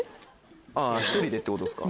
あぁ１人でってことですか。